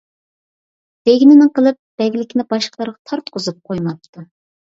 دېگىنىنى قىلىپ، بەگلىكنى باشقىلارغا تارتقۇزۇپ قويماپتۇ.